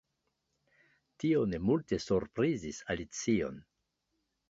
Tio ne multe surprizis Alicion.